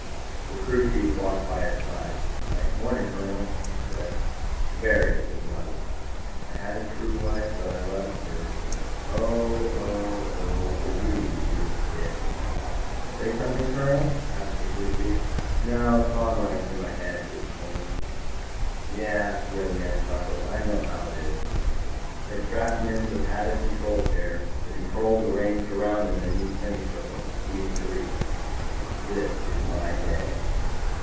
_ The crew chief walked by his side. "Nice morning, Colonel," he said. "Very," said Johnny. I had a true wife but I left her ... oh, oh, oh. For you, you beautiful bitch. "Say something, Colonel?" asked the crew chief. "No. Song running through my head," he explained. "Yeah," the other man chuckled. "I know how it is." They strapped him into the padded control chair, the controls arranged around him in a neat semicircle, easy to reach. _This is my day.